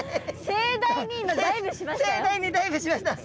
盛大にダイブしました。